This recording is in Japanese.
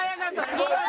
すごい。